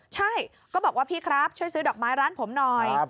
ใช่ก็บอกว่าพี่ครับช่วยซื้อดอกไม้ร้านผมหน่อย